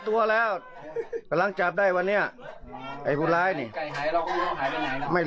ทำไมงูถึงมาทำกับงูแบบนี้